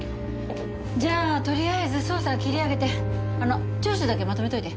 じゃあとりあえず捜査は切り上げて調書だけまとめといて。